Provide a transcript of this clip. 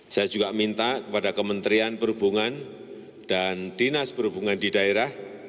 saya juga minta kepada kementerian perhubungan dan dinas perhubungan di daerah